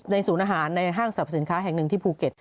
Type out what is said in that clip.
ศูนย์อาหารในห้างสรรพสินค้าแห่งหนึ่งที่ภูเก็ต